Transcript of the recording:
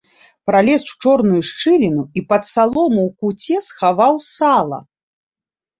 Пралез у чорную шчыліну і пад салому ў куце схаваў сала.